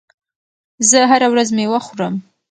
زه هره ورځ میوه خورم.